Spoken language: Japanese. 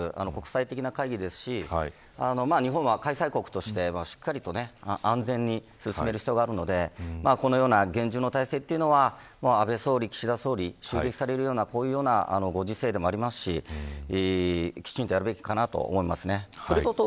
Ｇ７をはじめ各国首脳が集まる国際的な会議ですし日本は開催国として、しっかりと安全に進める必要があるのでこのような厳重な体制というのは安倍総理、岸田総理襲撃されるようなこういうご時世でもありますしきちんとやるべきかなと思いますね。